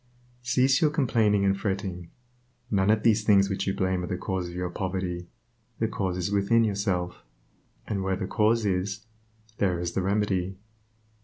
Cease your complaining and fretting; none of these things which you blame are the cause of your poverty; the cause is within yourself, and where the cause is, there is the remedy.